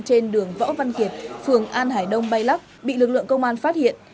trên đường võ văn kiệt phường an hải đông bay lắc bị lực lượng công an phát hiện